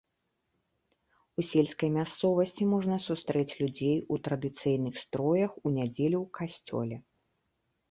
У сельскай мясцовасці можна сустрэць людзей у традыцыйных строях у нядзелю ў касцёле.